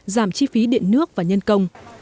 giảm chi phí điện nước và nhân công